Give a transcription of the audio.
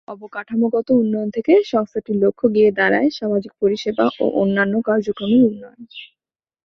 অবকাঠামোগত উন্নয়ন থেকে সংস্থাটির লক্ষ্য গিয়ে দাঁড়ায় সামাজিক পরিসেবা ও অন্যান্য কার্যক্রমের উন্নয়ন।